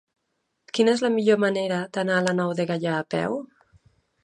Quina és la millor manera d'anar a la Nou de Gaià a peu?